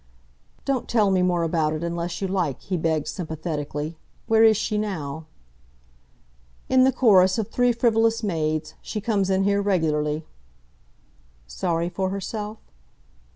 "Don't tell me more about it unless you like," he begged sympathetically. "Where is she now?" "In the chorus of 'Three Frivolous Maids.' She comes in here regularly." "Sorry for herself?"